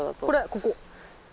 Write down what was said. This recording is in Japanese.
これここ。